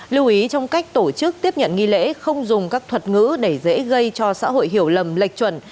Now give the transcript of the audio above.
lưu ý trong cách tổ chức tiếp nhận nghi lễ không dùng các thuật ngữ để dễ gây cho xã hội hiểu lầm lệch chuẩn